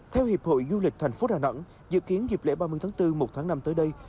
theo hiệp hội du lịch thành phố đà nẵng dự kiến dịp lễ ba mươi tháng bốn một tháng năm tới đây